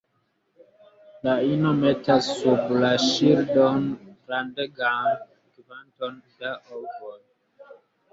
La ino metas sub la ŝildon grandegan kvanton da ovoj.